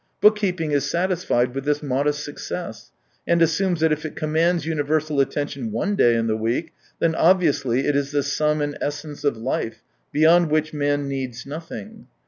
Book keeping is satisfied with this modest success, and assumes that if it commands universal attention one day in the week, then obvi ously it is the sum and essence of life, beyond which man needs nothing.